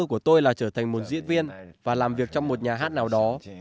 ước mơ của tôi là trở thành một diễn viên và làm việc trong một nhà hát nào đó